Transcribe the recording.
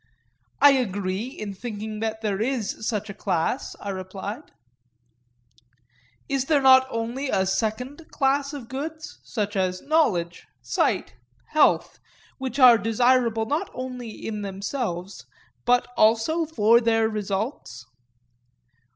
I agree in thinking that there is such a class, I replied. Is there not also a second class of goods, such as knowledge, sight, health, which are desirable not only in themselves, but also for their results?